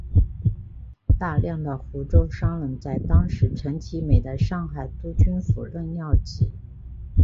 大量的湖州商人在当时陈其美的上海督军府任要职。